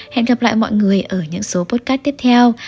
hẹn gặp lại mọi người ở những số potcade tiếp theo